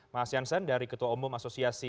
mas jansen dari ketua umum asosiasi